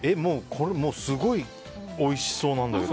すごいおいしそうなんだけど。